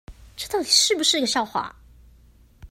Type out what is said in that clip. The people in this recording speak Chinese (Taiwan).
這到底是不是個笑話